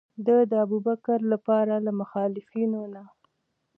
ده د ابوبکر لپاره له مخالفینو نه.